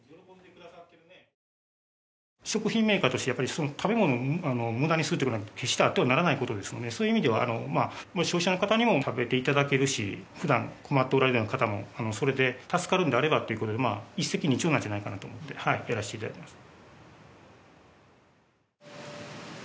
食品メーカーとしてやっぱり食べ物を無駄にするって事は決してあってはならない事ですのでそういう意味では消費者の方にも食べて頂けるし普段困っておられるような方もそれで助かるのであればっていう事で一石二鳥なんじゃないかなと思ってやらせて頂いています。